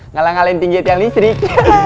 ngalah ngalain tinggi tiang listrik